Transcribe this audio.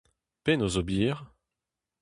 Penaos ober ?